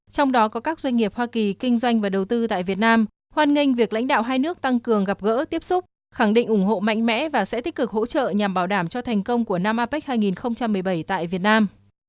trong đó có các doanh nghiệp hoa kỳ kinh doanh và đầu tư tại việt nam hoan nghênh việc lãnh đạo hai nước tăng cường gặp gỡ tiếp xúc khẳng định ủng hộ mạnh mẽ và sẽ tích cực hỗ trợ nhằm bảo đảm cho thành công của năm apec hai nghìn một mươi bảy tại việt nam